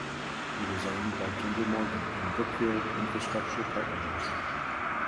It is owned by Kinder Morgan and Brookfield Infrastructure Partners.